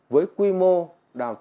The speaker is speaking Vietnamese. với quy mô đặc biệt